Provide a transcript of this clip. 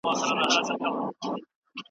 سرمايوي اجناسو بشري ځواک فعال ساته.